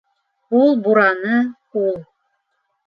Ул бураны, ул...